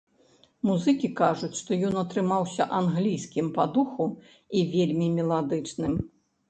Музыкі кажуць, што ён атрымаўся англійскім па духу і вельмі меладычным.